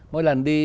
mỗi lần đi